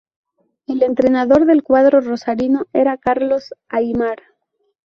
El entrenador del cuadro rosarino era Carlos Aimar.